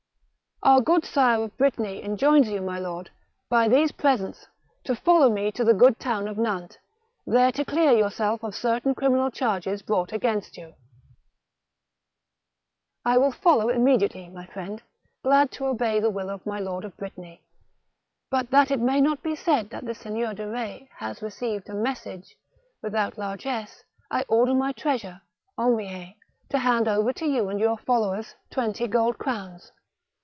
" Our good Sire of Brittany enjoins you, my lord, by these presents, to follow me to the good town of Nantes, there to clear yourself of certain criminal charges brought against you." " I will follow immediately, my friend, glad to obey the will of my lord of Brittany : but, that it may not be said that the Seigneur de Eetz has received a mes 190 THE BOOK OF WERE WOLVES. sage without largess, I order my treasurer, Henriet, to hand over to you and your followers twenty gold crowns."